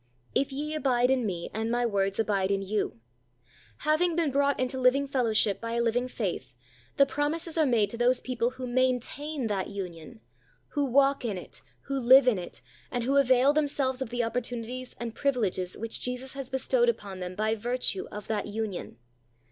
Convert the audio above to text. "If ye abide in Me, and My words abide in you;" having been brought into living fellowship by a living faith, the promises are made to those people who MAINTAIN that union who walk in it, who live in it, and who avail themselves of the opportunities and privileges which Jesus has bestowed upon them by virtue of that union.